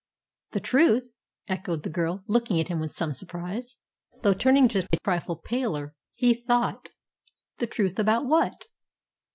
"The truth!" echoed the girl, looking at him with some surprise, though turning just a trifle paler, he thought. "The truth about what?"